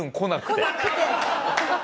来なくて。